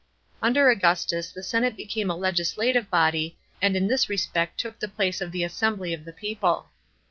Under Augustus the senate became a legislative body and in this respect took the place of the assembly of the people.